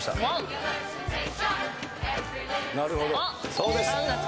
そうです。